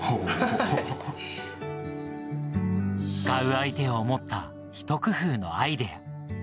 使う相手を思ったひと工夫のアイデア。